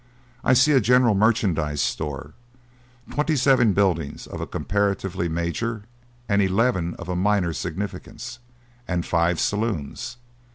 I see a general merchandise store, twenty seven buildings of a comparatively major and eleven of a minor significance, and five saloons.